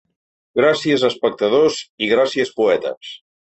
Gràcies espectadors i gràcies poetes.